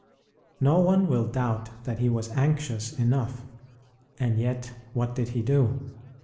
No one will doubt that he was anxious enough, and yet what did he do?